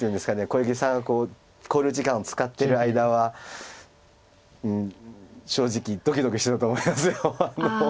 小池さんが考慮時間を使ってる間はうん正直ドキドキしてたと思います。